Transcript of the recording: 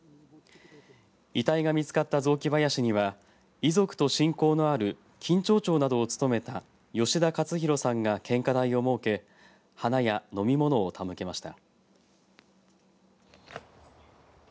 遺体が見つかった雑木林には遺族と親交のある金武町長などを務めた吉田勝廣さんが献花台を設け花や飲み物を手向けました。